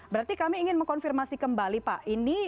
berarti kami ingin mengkonfirmasi kembali pak